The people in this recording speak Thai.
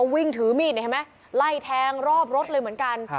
วิ่งถือมีดเห็นไหมไล่แทงรอบรถเลยเหมือนกัน